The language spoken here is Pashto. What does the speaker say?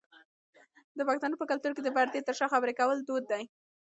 د پښتنو په کلتور کې د پردې تر شا خبری کول دود دی.